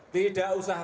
tidak ada kebanyakan